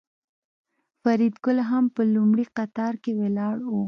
فریدګل هم په لومړي قطار کې ولاړ و